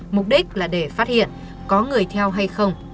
mục đích là để phát hiện có người theo hay không